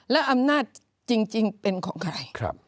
และอำนาจจริงเป็นของใคร